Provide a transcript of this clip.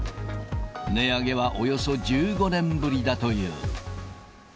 値上げはおよそ１５年ぶりだという。